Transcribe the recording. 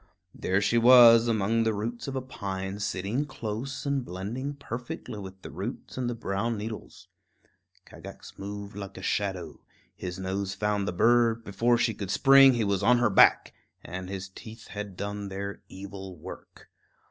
There she was, among the roots of a pine, sitting close and blending perfectly with the roots and the brown needles. Kagax moved like a shadow; his nose found the bird; before she could spring he was on her back, and his teeth had done their evil work.